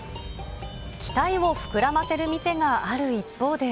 期待を膨らませる店がある一方で。